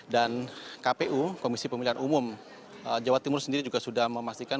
dan kpu komisi pemilihan umum jawa timur sendiri juga sudah memastikan